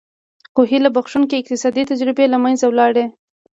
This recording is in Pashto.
خو هیله بښوونکې اقتصادي تجربې له منځه لاړې.